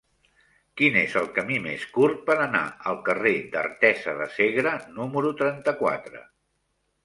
Quin és el camí més curt per anar al carrer d'Artesa de Segre número trenta-quatre?